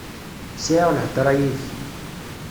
Sɛiɣ lhedra yid-k.